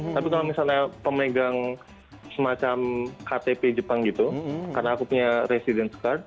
tapi kalau misalnya pemegang semacam ktp jepang gitu karena aku punya residence card